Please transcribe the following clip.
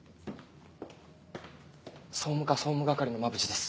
総務課総務係の馬淵です。